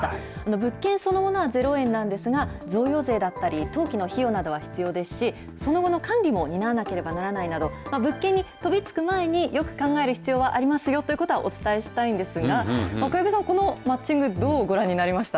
物件そのものは０円なんですが、贈与税だったり、登記の費用などは必要ですし、その後の管理も担わなければならないなど、物件に飛びつく前に、よく考える必要はありますよということはお伝えしたいんですが、小籔さん、このマッチング、どうご覧になりました？